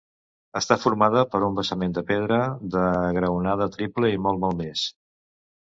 Està formada per un basament de pedra, de graonada triple i molt malmès.